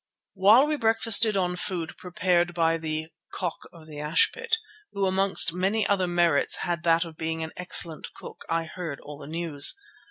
While we breakfasted on food prepared by the "Cock of the Ashpit," who amongst many other merits had that of being an excellent cook, I heard all the news.